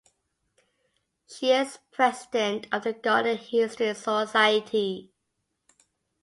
She is president of the Garden History Society.